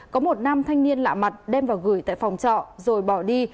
có một nam thanh niên lạ mặt đem vào gửi tại phòng trọ rồi bỏ đi